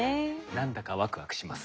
なんだかワクワクしますね。